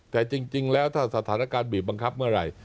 แต่จริงแล้วถ้าสถานการณ์บีบบังคับเมื่อไหร่